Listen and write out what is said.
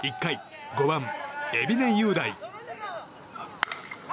１回、５番、海老根優大。